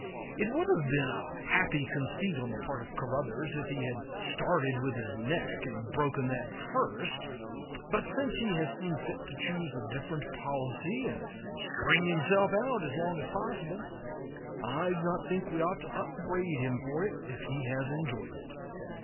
It would have been a happy conceit on the part of Caruthers if he had started with his neck and broken that first; but since he has seen fit to choose a different policy and string himself out as long as possible, I do not think we ought to upbraid him for it if he has enjoyed it.